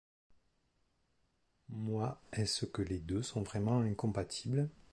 Moi Estce que les deux sont vraiment incompatibles.